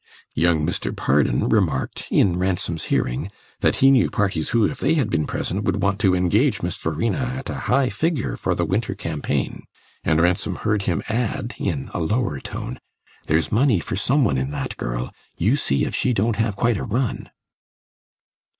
Young Mr. Pardon remarked, in Ransom's hearing, that he knew parties who, if they had been present, would want to engage Miss Verena at a high figure for the winter campaign. And Ransom heard him add in a lower tone: "There's money for some one in that girl; you see if she don't have quite a run!"